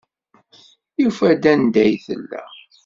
Yufa-d anda ay tella.